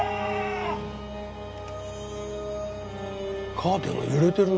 カーテンが揺れてるな。